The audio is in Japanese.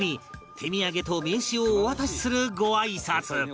手土産と名刺をお渡しするご挨拶